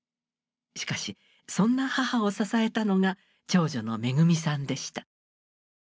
しかしそんな母を支えたのが長女の恵さんでした。